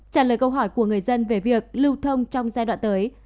trả lời câu hỏi của người dân về việc lưu thông trong giai đoạn tới